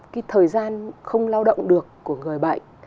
cái thời gian không lao động được của người bệnh